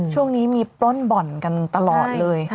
ช่วงนี้มีปล้นบ่อนกันตลอดเลย